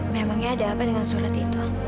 memangnya ada apa dengan surat itu